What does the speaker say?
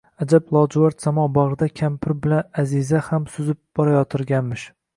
Аjab lojuvard samo bagʼrida kampir bilan Аziza ham suzib borayotganmish…